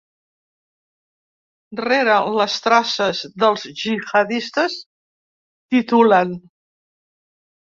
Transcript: Rere les traces dels gihadistes, titulen.